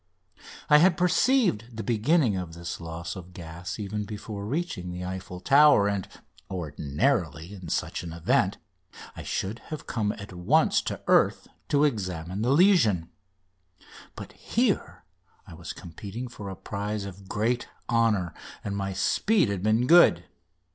I had perceived the beginning of this loss of gas even before reaching the Eiffel Tower, and ordinarily, in such an event, I should have come at once to earth to examine the lesion. But here I was competing for a prize of great honour, and my speed had been good.